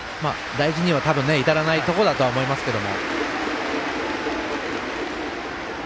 大事には至らないところだとは思いますけど。